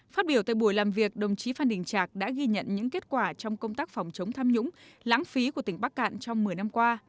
phát biểu tại buổi làm việc đồng chí phan đình trạc đã ghi nhận những kết quả trong công tác phòng chống tham nhũng lãng phí của tỉnh bắc cạn trong một mươi năm qua